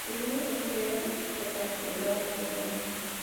El libro siempre era y es perfectamente legal en Alemania.